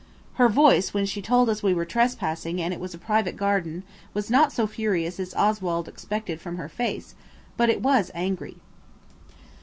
Her voice when she told us we were trespassing and it was a private garden was not so furious as Oswald expected from her face, but it was angry.